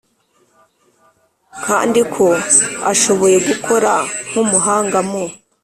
kandi ko ashoboye gukora nk umuhanga mu